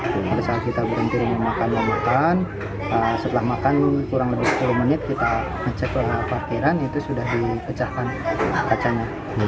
pada saat kita berhenti dengan makan yang buatan setelah makan kurang lebih sepuluh menit kita ngecek ke parkiran itu sudah dipecahkan kacanya